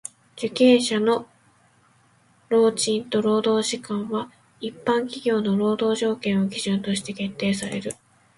受刑者の労賃と労働時間は一般企業の労働条件を基準として決定される。